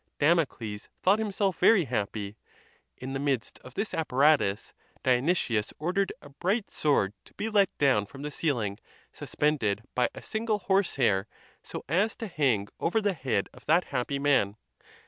Damocles thought himself very happy. In the midst of this apparatus, Dio nysius ordered a bright sword to be let down from the ceiling, suspended by a single horse hair, so as to hang over the head of that happy man.